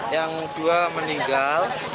yang dua meninggal